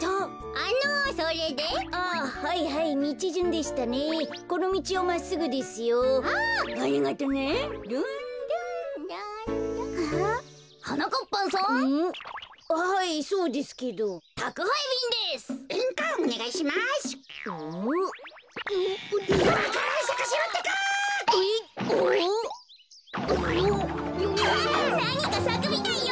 あっなにかさくみたいよ！